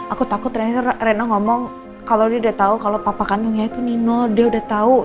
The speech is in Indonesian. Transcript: aku takut rena ngomong kalo dia udah tau kalo papa kandungnya itu nino dia udah tau